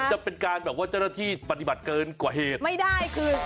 จะเป็นการแบบว่าเจ้าหน้าที่ปฏิบัติเกินกว่าเหตุไม่ได้คือ